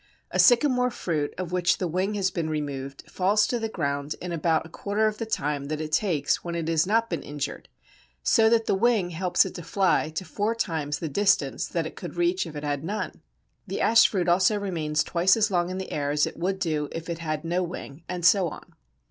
A Sycamore fruit of which the wing has been removed falls to the ground in about a quarter of the time that it takes when it has not been injured, so that the wing helps it to fly to four times the distance that it could reach if it had none. The Ash fruit also remains twice as long in the air as it would do if it had no wing; and so on.